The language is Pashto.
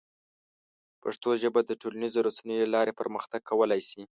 پښتو ژبه د ټولنیزو رسنیو له لارې پرمختګ کولی شي.